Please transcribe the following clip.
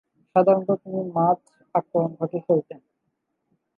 সাধারণত তিনি মাঝ-আক্রমনভাগে খেলতেন।